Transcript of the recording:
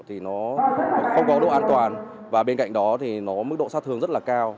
thì nó không có độ an toàn và bên cạnh đó thì nó mức độ sát thương rất là cao